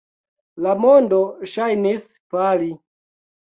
La mondo ŝajnis fali.